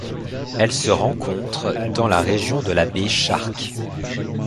Elle se rencontre dans la région de la baie Shark.